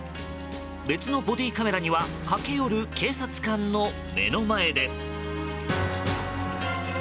別のボディーカメラには駆け寄る警察官の目の前で。